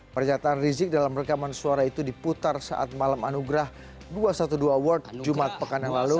pernyataan rizik dalam rekaman suara itu diputar saat malam anugerah dua ratus dua belas world jumat pekan yang lalu